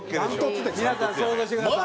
皆さん想像してください。